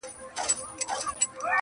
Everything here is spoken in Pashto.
o انسان د بادو بنۍ ده٫